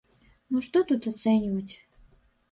Ну што тут ацэньваць.